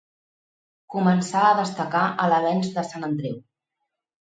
Començà a destacar a l'Avenç de Sant Andreu.